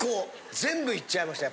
全部いっちゃいました